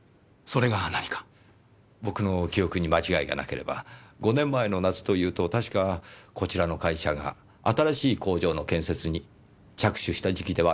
僕の記憶に間違いがなければ５年前の夏というと確かこちらの会社が新しい工場の建設に着手した時期ではありませんか？